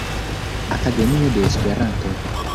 Akademio de Esperanto.